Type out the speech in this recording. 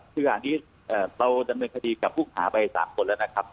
คืออันนี้เราดำเนินคดีกับผู้หาไป๓คนแล้วนะครับ